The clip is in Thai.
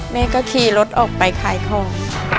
แม่ก็ขี่รถออกไปขายของ